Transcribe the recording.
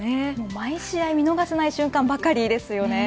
毎試合見逃せない瞬間ばかりですよね。